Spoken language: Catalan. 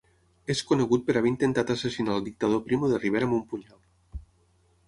És conegut per haver intentat assassinar el dictador Primo de Rivera amb un punyal.